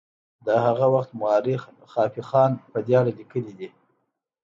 د هغه وخت مورخ خافي خان په دې اړه لیکلي دي.